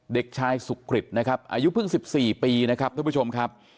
เด็กชายสุกริตนะครับอายุเพิ่ง๑๔ปีนะครับท่านผู้ชมครับ